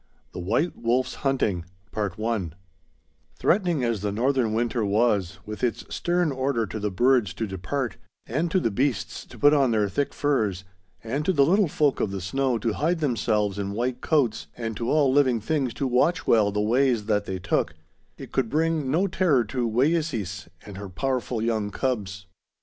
The White Wolf's Hunting Threatening as the northern winter was, with its stern order to the birds to depart, and to the beasts to put on their thick furs, and to the little folk of the snow to hide themselves in white coats, and to all living things to watch well the ways that they took, it could bring no terror to Wayeeses and her powerful young cubs.